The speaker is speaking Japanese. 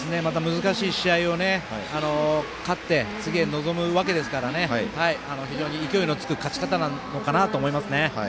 難しい試合を勝って次へ臨むわけですから非常に勢いのつく勝ち方なのかなと思いますよね。